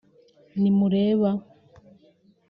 Ntimureba